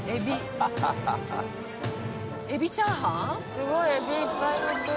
すごいエビいっぱいのってる。